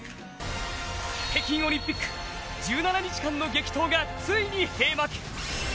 北京オリンピック１７日間の激闘が、ついに閉幕。